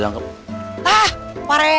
oh ini dia